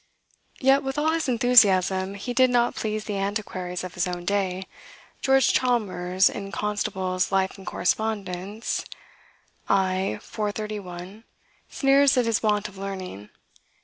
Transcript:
Yet, with all his enthusiasm, he did not please the antiquaries of his own day. George Chalmers, in Constable's "Life and Correspondence" (i. 431), sneers at his want of learning.